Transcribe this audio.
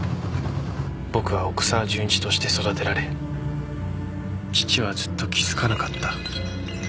僕は奥沢純一として育てられ父はずっと気づかなかった。